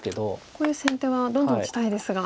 こういう先手はどんどん打ちたいですが。